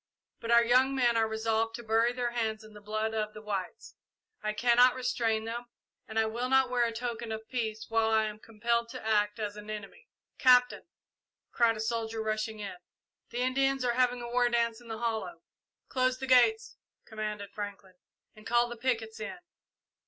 But our young men are resolved to bury their hands in the blood of the whites. I cannot restrain them, and I will not wear a token of peace while I am compelled to act as an enemy." "Captain," cried a soldier, rushing in, "the Indians are having a war dance in the hollow!" "Close the gates," commanded Franklin, "and call the pickets in."